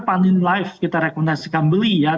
panin live kita rekomendasikan beli ya